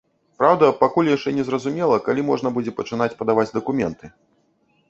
Праўда, пакуль яшчэ незразумела, калі можна будзе пачынаць падаваць дакументы.